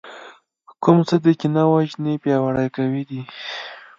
کوم څه دې چې نه وژنې پياوړي کوي دی .